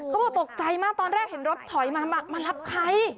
บอกตกใจมากตอนแรกเห็นรถถอยมามารับใคร